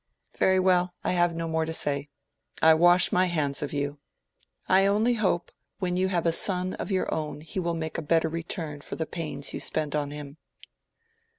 "Very well; I have no more to say. I wash my hands of you. I only hope, when you have a son of your own he will make a better return for the pains you spend on him."